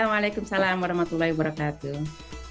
waalaikumsalam warahmatullahi wabarakatuh